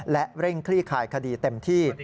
และเร่งคลี่คายคดีเต็มที่